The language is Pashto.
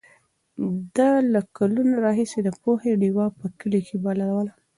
ده له کلونو راهیسې د پوهې ډېوه په کلي کې بلوله.